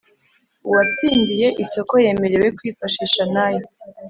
Uwatsindiye isoko yemerewe kwifashisha nayo